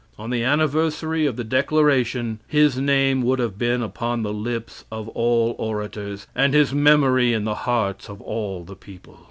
On the anniversary of the Declaration, his name would have been upon the lips of all orators, and his memory in the hearts of all the people.